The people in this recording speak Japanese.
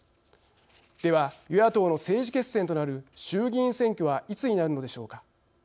では、与野党の政治決戦となる衆議院選挙はいつになるのでしょうか。